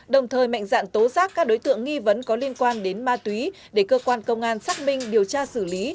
đồng thời mạnh dạng tố giác các đối tượng nghi vấn có liên quan đến ma túy để cơ quan công an xác minh điều tra xử lý